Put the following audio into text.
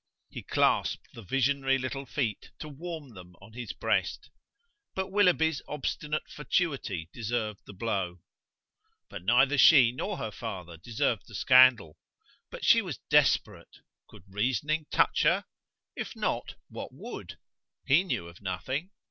He clasped the visionary little feet to warm them on his breast. But Willoughby's obstinate fatuity deserved the blow! But neither she nor her father deserved the scandal. But she was desperate. Could reasoning touch her? if not, what would? He knew of nothing.